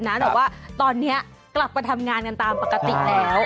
แต่ว่าตอนนี้กลับมาทำงานกันตามปกติแล้ว